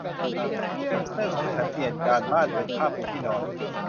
แฮมสเตอร์ของฉันเปลี่ยนการบ้านเป็นผ้าปูที่นอน